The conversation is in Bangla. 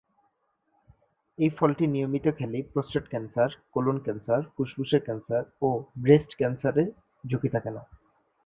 এই ফলটি নিয়মিত খেলে প্রোস্টেট ক্যান্সার, কোলন ক্যান্সার, ফুসফুসের ক্যান্সার ও ব্রেস্ট ক্যান্সারের ঝুঁকি থাকে না।